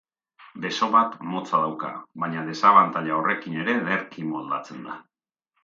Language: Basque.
Beso bat motza dauka, baina desabantaila horrekin ere ederki moldatzen da.